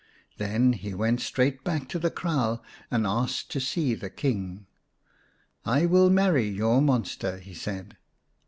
Then he went straight back to the kraal and asked to see the King. " I will marry your monster," he said.